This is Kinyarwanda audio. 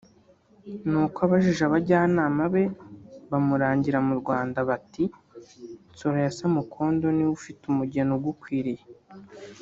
ni uko abajije abajyanama be bamurangira mu Rwanda bati`` Nsoro ya Samukondo ni we ufite umugeni ugukwiriye’’